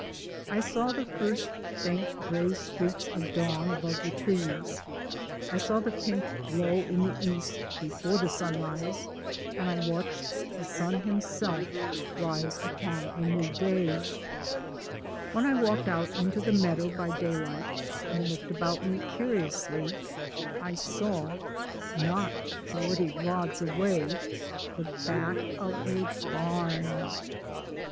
I saw the first faint gray streaks of dawn above the trees, I saw the pink glow in the east before the sunrise, and I watched the sun himself rise upon a new day When I walked out into the meadow by daylight and looked about me curiously, I saw, not forty rods away, the back of a barn.